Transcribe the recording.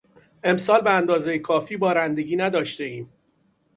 امسال به اندازهی کافی بارندگی نداشتهایم.